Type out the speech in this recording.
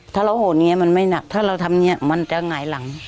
ถ้าเราโหนี้มันไม่หนักถ้าเราทำนี้มันจะไหงายหลัง